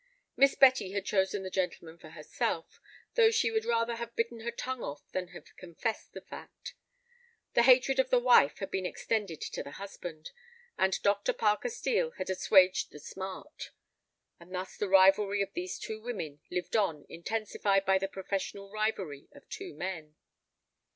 Miss Betty had chosen the gentleman for herself, though she would rather have bitten her tongue off than have confessed the fact. The hatred of the wife had been extended to the husband, and Dr. Parker Steel had assuaged the smart. And thus the rivalry of these two women lived on intensified by the professional rivalry of two men.